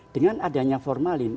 dengan adanya formalin